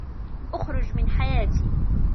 اخرج من حياتي.